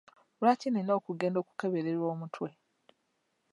Lwaki nina okugenda okukeberebwa omutwe .